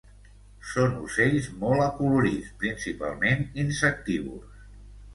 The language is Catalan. Són ocells molt acolorits, principalment insectívors.